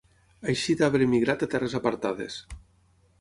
Així d'arbre migrat a terres apartades